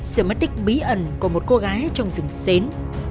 sự mất tích bí ẩn của một cô gái trong rừng xến